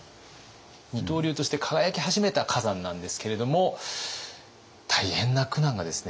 二刀流として輝き始めた崋山なんですけれども大変な苦難がですね